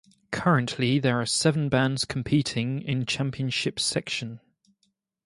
Currently there are seven bands competing in Championship section.